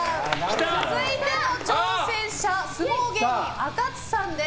続いての挑戦者は相撲芸人、あかつさんです。